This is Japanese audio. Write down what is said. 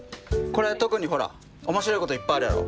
これ特に面白い事いっぱいあるやろ。